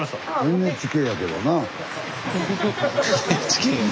「ＮＨＫやけどな」。